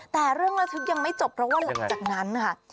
แต่เรื่องระทึกยังไม่จบเพราะว่าหลังจากนั้นค่ะ